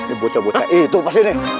ini bocah bocah itu pasti nih